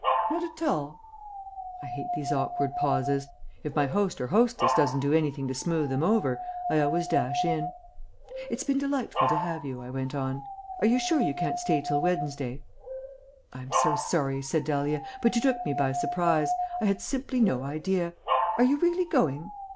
"Not at all." I hate these awkward pauses. If my host or hostess doesn't do anything to smooth them over, I always dash in. "It's been delightful to have you," I went on. "Are you sure you can't stay till Wednesday?" "I'm so sorry," said Dahlia, "but you took me by surprise. I had simply no idea. Are you really going?"